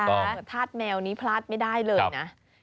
บริการเท่านี้พลาดไม่ได้เลยนะ